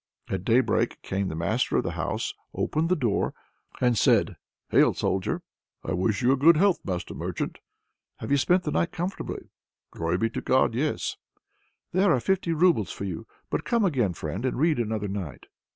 At daybreak came the master of the house, opened the door, and said "Hail, Soldier!" "I wish you good health, master merchant." "Have you spent the night comfortably?" "Glory be to God! yes." "There are fifty roubles for you, but come again, friend, and read another night."